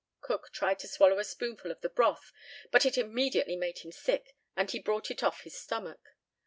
Cook tried to swallow a spoonful of the broth, but it immediately made him sick, and he brought it off his stomach.